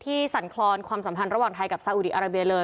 สั่นคลอนความสัมพันธ์ระหว่างไทยกับซาอุดีอาราเบียเลย